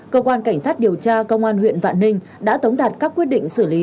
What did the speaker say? cơ quan cảnh sát điều tra công an huyện vạn ninh đã tống đạt các quyết định xử lý